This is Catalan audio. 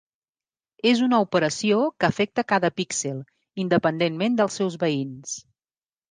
És una operació que afecta cada píxel, independentment dels seus veïns.